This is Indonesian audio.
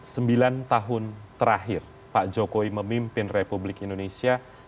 sembilan tahun terakhir pak jokowi memimpin republik indonesia